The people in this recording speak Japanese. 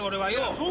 そう。